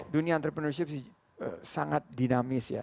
dunia entrepreneurship sangat dinamis ya